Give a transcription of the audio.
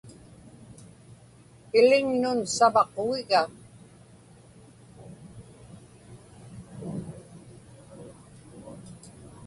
Iliŋnun savaqugiga.